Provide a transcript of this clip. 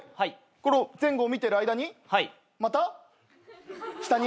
前後を見てる間にまた下に。